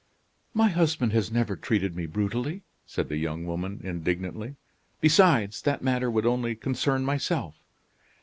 "My husband has never treated me brutally," said the young woman, indignantly; "besides, that matter would only concern myself."